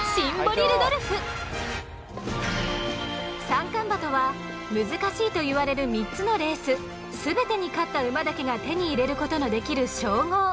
「三冠馬」とは難しいと言われる３つのレース全てに勝った馬だけが手にいれることのできる称号。